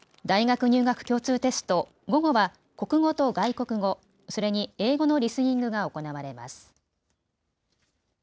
大学入学共通テスト、午後は国語と外国語、それに英語のリスニングが行われます。